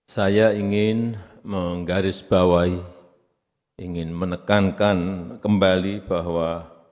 saya ingin menggarisbawahi ingin menekankan kembali bahwa